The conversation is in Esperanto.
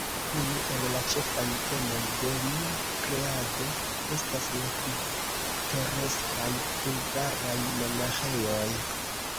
Unu el la ĉefaj temoj de lia kreado estas la pitoreskaj bulgaraj monaĥejoj.